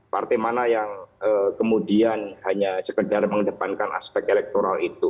partai mana yang kemudian hanya sekedar mengedepankan aspek elektoral itu